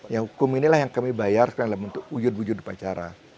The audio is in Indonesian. yang hukum inilah yang kami bayar yang dalam bentuk ujud ujud upacara